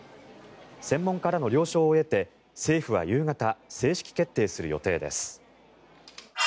専門家らの了承を得て政府は夕方正式決定する予定です。